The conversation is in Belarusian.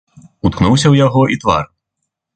Уткнуўся ў яго і твар.